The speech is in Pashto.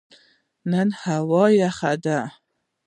نن هوا یخه ده